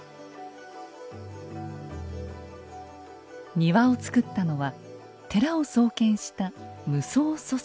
庭を造ったのは寺を創建した夢窓疎石。